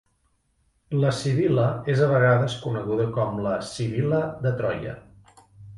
La Sibil·la és a vegades coneguda com la Sibil·la de Troia.